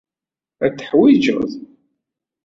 Ad t-teḥwijed.